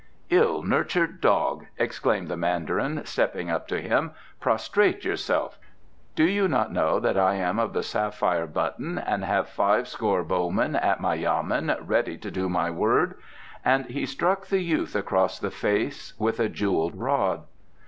"Ill nurtured dog!" exclaimed the Mandarin, stepping up to him, "prostrate yourself! Do you not know that I am of the Sapphire Button, and have fivescore bowmen at my yamen, ready to do my word?" And he struck the youth across the face with a jewelled rod.